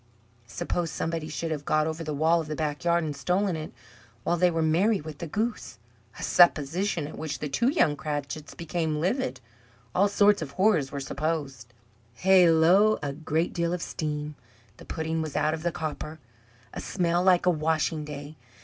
Suppose somebody should have got over the wall of the backyard and stolen it, while they were merry with the goose a supposition at which the two young Cratchits became livid! All sorts of horrors were supposed. Hallo! A great deal of steam! The pudding was out of the copper. A smell like a washing day!